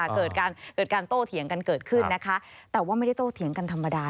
เกิดการโต้เถียงกันเกิดขึ้นนะคะแต่ว่าไม่ได้โตเถียงกันธรรมดา